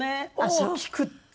大きくって。